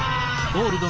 「ゴールド！